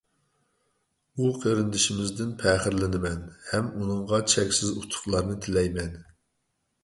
ئۇ قېرىندىشىمىزدىن پەخىرلىنىمەن ھەم ئۇنىڭغا چەكسىز ئۇتۇقلارنى تىلەيمەن.